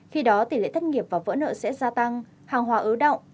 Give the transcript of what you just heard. khi đó tỷ lệ thất nghiệp và vỡ nợ sẽ gia tăng hàng hòa ứ động